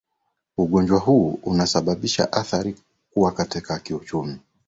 ugonjwa huu unasababisha athari kuwa katika kiuchumi